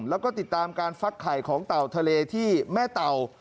แล้วก็ติดตามการฟักไข่ของเต่าทะเลที่แม่เต่า